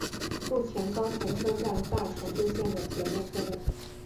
陆前高田车站大船渡线的铁路车站。